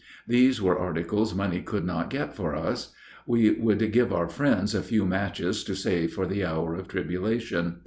These were articles money could not get for us. We would give our friends a few matches to save for the hour of tribulation.